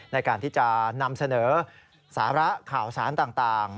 ในการที่จะนำเสนอสาระข่าวสารต่าง